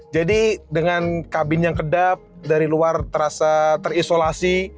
jadi dengan kabin yang kedap dari luar terasa terisolasi